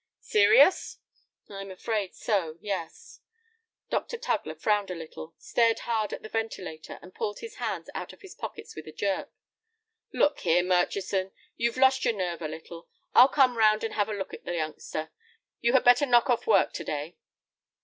"Serious?" "I'm afraid so, yes." Dr. Tugler frowned a little, stared hard at the ventilator, and pulled his hands out of his pockets with a jerk. "Look here, Murchison, you've lost your nerve a little. I'll come round and have a look at the youngster. You had better knock off work to day."